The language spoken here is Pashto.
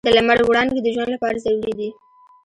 د لمر وړانګې د ژوند لپاره ضروري دي.